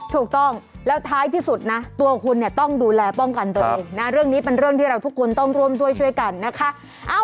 ถูกต้องแล้วท้ายที่สุดนะตัวคุณเนี่ยต้องดูแลป้องกันตัวเองนะเรื่องนี้เป็นเรื่องที่เราทุกคนต้องร่วมด้วยช่วยกันนะคะ